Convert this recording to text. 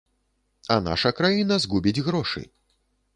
А наша краіна згубіць грошы.